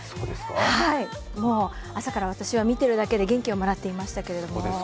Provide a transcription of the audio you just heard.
もう朝から私は見ているだけで元気をもらっていましたけれど。